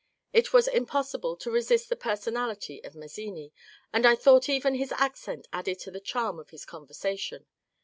It was impossible to resist the personality of Mazzini, and I thought even his accent added to the charm of his conversation.